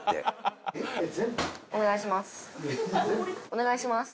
お願いします。